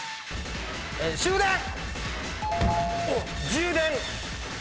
充電。